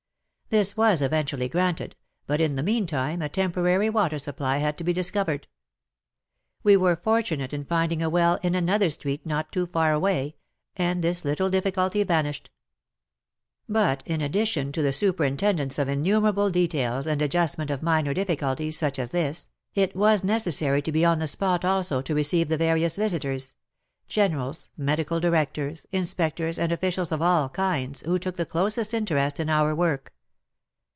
This was eventually granted, but in the meantime a temporary water supply had to be discovered. We were fortunate in find ing a well in another street not too far away, and this little difficulty vanished. But in addition to superintendence of innumerable details and adjustment of minor difficulties such as this, it was necessary to be on the spot also to receive the various visitors — generals, medical directors, inspectors and officials of all kinds, who took the closest interest in our work.